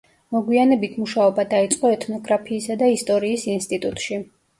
მოგვიანებით მუშაობა დაიწყო ეთნოგრაფიისა და ისტორიის ინსტიტუტში.